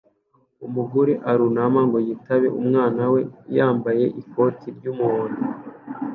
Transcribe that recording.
Umugore arunama ngo yitabe umwana we yambaye ikoti ry'umuhondo